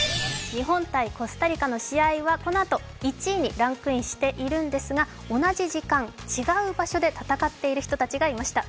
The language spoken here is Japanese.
日本×コスタリカの試合はこのあと、１位にランクインしているんですが、同じ時間、違う場所で戦っている人たちがいました。